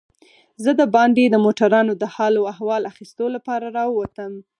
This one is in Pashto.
زه دباندې د موټرانو د حال و احوال اخیستو لپاره راووتم.